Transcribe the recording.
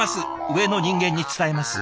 上の人間に伝えます。